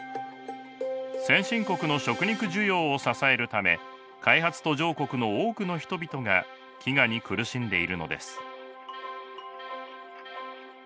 先進国の食肉需要を支えるため開発途上国の多くの人々が飢餓に苦しんでいるのです。